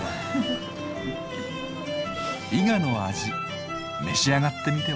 伊賀の味召し上がってみては？